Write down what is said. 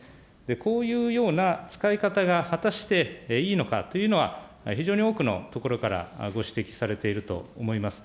こういうような使い方が果たしていいのかというのは、非常に多くのところからご指摘されていると思います。